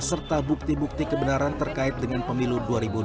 serta bukti bukti kebenaran terkait dengan pemilu dua ribu dua puluh